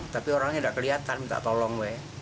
tapi orangnya tidak kelihatan minta tolong